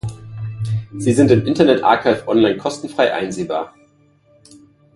Sie sind im Internet Archive online kostenfrei einsehbar.